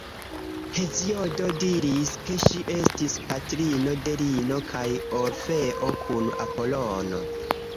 Heziodo diris, ke ŝi estis patrino de Lino kaj Orfeo kun Apolono.